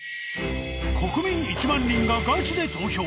国民１万人がガチで投票！